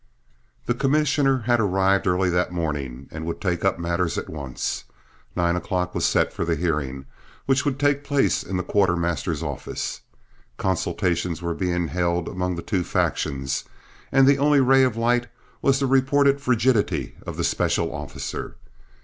The commissioner had arrived early that morning and would take up matters at once. Nine o'clock was set for the hearing, which would take place in the quartermaster's office. Consultations were being held among the two factions, and the only ray of light was the reported frigidity of the special officer.